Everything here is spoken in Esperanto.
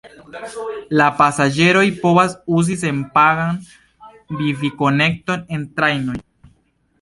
La pasaĝeroj povas uzi senpagan vifi-konekton en trajnoj.